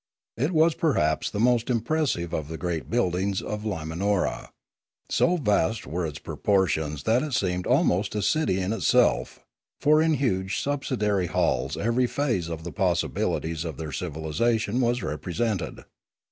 It was perhaps the most impressive of the great buildings of Limanora; so vast were its proportions that it seemed almost a city in itself; for in huge subsidiary halls every phase of the possibilities of their civilisation was represented.